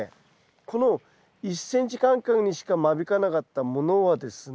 この１ｃｍ間隔にしか間引かなかったものはですね